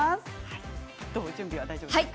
準備は大丈夫ですか？